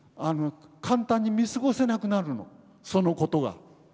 簡単に見過ごせなくなるのそのことが。